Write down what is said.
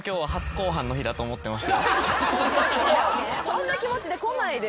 そんな気持ちで来ないでよ。